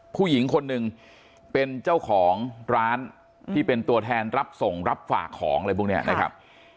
ผู้หญิงคนหนึ่งเป็นเจ้าของร้านที่เป็นตัวแทนรับส่งรับฝากของอะไรพวกนี้นะครับ